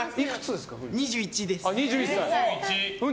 ２１です。